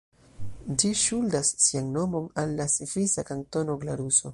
Ĝi ŝuldas sian nomon al la svisa kantono Glaruso.